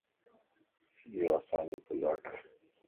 يو اسانجو پلاٽ ا